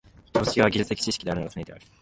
常識は技術的知識であるのがつねである。